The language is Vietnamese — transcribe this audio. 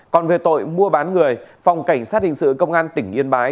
còn về tội mua bán người phòng cảnh sát hình sự công an tỉnh yên bái